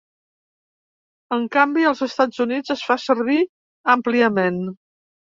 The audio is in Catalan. En canvi, als Estats Units es fa servir àmpliament.